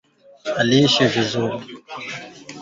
kwa ukaribu na Jackson badala ya kuuliza maswali ya moja kwa moja